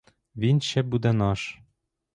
Він ще буде наш!